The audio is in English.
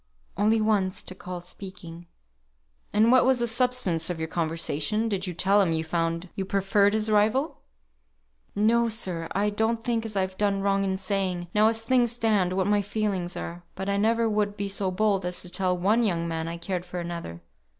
"Only once to call speaking." "And what was the substance of your conversation? Did you tell him you found you preferred his rival?" "No, sir. I don't think as I've done wrong in saying, now as things stand, what my feelings are; but I never would be so bold as to tell one young man I cared for another.